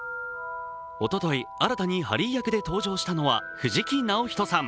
おととい、新たにハリー役で登場したのは藤木直人さん。